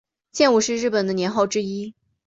建武是日本的年号之一。